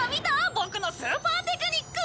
ボクのスーパーテクニック！